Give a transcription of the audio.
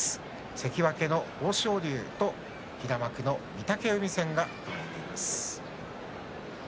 関脇豊昇龍と平幕の御嶽海戦が組まれています。